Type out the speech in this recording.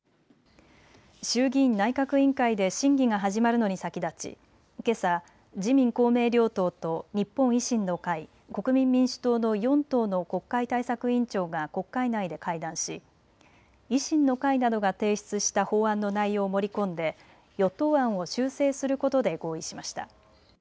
衆議院内閣委員会で審議が始まるのに先立ち、けさ自民公明両党と日本維新の会、国民民主党の４党の国会対策委員長が国会内で会談し維新の会などが提出した法案の内容を盛り込んで与党案を修正することで合意しました。